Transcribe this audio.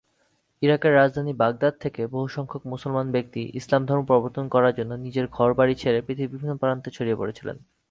ইরাকের রাজধানী বাগদাদ থেকে বহুসংখ্যক মুসলমান ব্যক্তি ইসলাম ধর্ম প্রবর্তন করার জন্য নিজের ঘর-বাড়ি ছেড়ে পৃথিবীর বিভিন্ন প্রান্তে ছড়িয়ে পরেছিলেন।